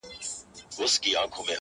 د خوار د ژوند كيسه ماتـه كړه.